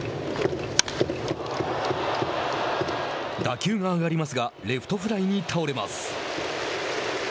打球が上がりますがレフトフライに倒れます。